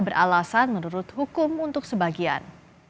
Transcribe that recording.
beralasan menurut hukum untuk sebagian